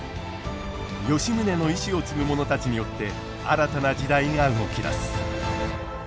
吉宗の遺志を継ぐ者たちによって新たな時代が動き出す。